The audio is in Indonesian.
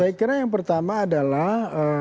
saya kira yang pertama adalah